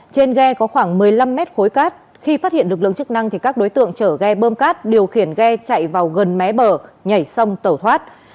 trên ghe có khoảng một mươi năm mét khối cát khi phát hiện lực lượng chức năng thì các đối tượng chở ghe bơm cát điều khiển ghe chạy vào gần mé bờ nhảy sông tẩu thoát